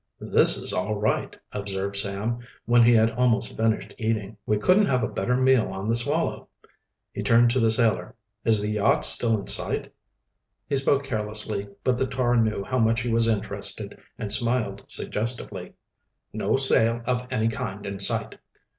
"This is all right," observed Sam, when he had almost finished eating. "We couldn't have a better meal on the Swallow." He turned to the sailor. "Is the yacht still in sight?" He spoke carelessly, but the tar knew how much he was interested and smiled suggestively. "No sail of any kind in sight."